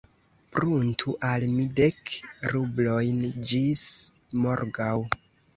Pruntu al mi dek rublojn ĝis morgaŭ.